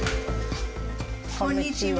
こんにちは。